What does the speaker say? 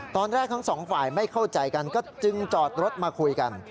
ตอนแรกทั้งสองฝ่ายไม่เข้าใจกันก็จึงจอดรถมาคุยกัน